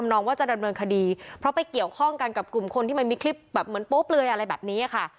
น้องว่าจะดำเนินคดีเพราะไปเกี่ยวข้องกันกับกลุ่มคนที่มันมีคลิปแบบเหมือนโป๊เปลือยอะไรแบบนี้ค่ะ